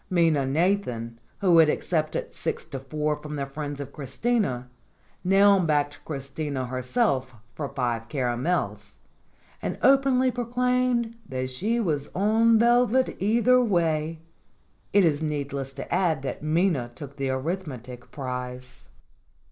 Minna Nathan, who had accepted six to four from the friends of Christina, now backed Christina herself for five caramels, and openly proclaimed that she was on velvet either way. It is needless to add that Minna took the arithmetic prize.